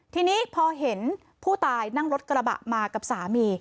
ทีนี้พอเห็นผู้ตายนั่งรถกระบะมากับสามี